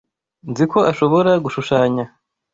Nzi ko ashobora gushushanya